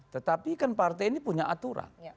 tetapi kan partai ini punya aturan